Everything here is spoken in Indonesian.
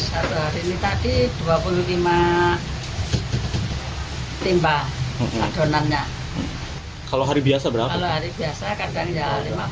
hai hari ini tadi dua puluh lima timba adonannya kalau hari biasa berapa hari biasa kadang ya lima belas enam belas